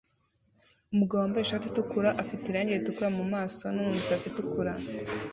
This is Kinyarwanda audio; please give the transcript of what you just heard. Umugabo wambaye ishati itukura afite irangi ritukura mumaso no mumisatsi itukura